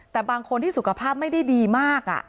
แต่บางคนที่สุขภาพไม่ได้ดีมาก